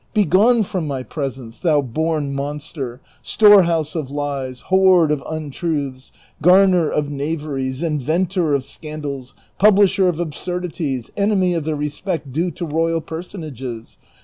Begone from my pres ence, thou born monster, storehouse of lies, hoard of untruths, garner of knaveries, inventor of scandals, publisher of absurd ities, enemy of the respect due to royal personages